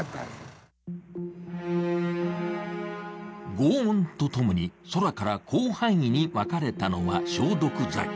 ごう音と共に空から広範囲にまかれたのは消毒剤。